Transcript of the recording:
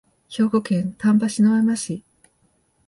兵庫県丹波篠山市